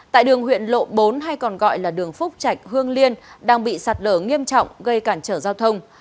tại đường huyện lộ bốn hay còn gọi là đường phúc trạch hương liên đang bị sạt lở nghiêm trọng gây cản trở giao thông